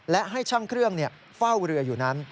และให้ช่างเครื่องเฝ้าเรืออยู่นั้น